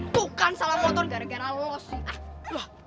tuh kan salah motor gara gara lo sih